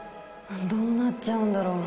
どうなっちゃうんだろう。